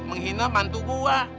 menghina mantu gua